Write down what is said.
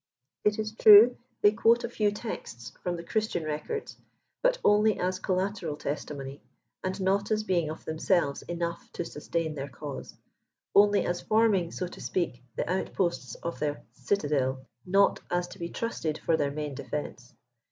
It is true they quote a few texts from the Christian records, but only as collateral testimony, and not as being of themselves enough 10 sustain their cause ; only as forming, so to speak, the outposts of their " citadel," not as to be trusted for their main defense.